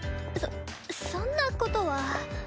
そそんなことは。